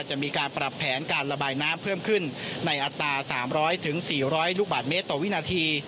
จะมีการปรับแผนการระบายน้ำเพิ่มขึ้นในอัตรา๓๐๐๔๐๐ลูกบาทเมตรต่อวินาที